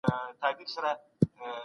ښځي بايد په نورو ښځو پورې ونه خاندي.